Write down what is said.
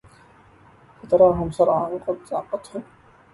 فتراهم صرعى وقد صعقتهم